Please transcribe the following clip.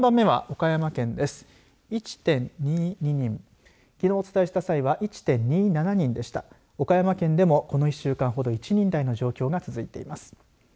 岡山県でもこの１週間ほど１人台での状況が続いています。